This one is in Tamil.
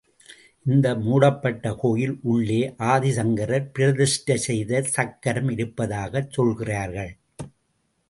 இந்த மூடப்பட்ட கோயில் உள்ளே ஆதிசங்கரர் பிரதிஷ்டை செய்த சக்கரம் இருப்பதாகச் சொல்கிறார்கள்.